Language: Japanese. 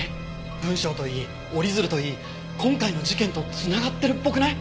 文章といい折り鶴といい今回の事件と繋がってるっぽくない？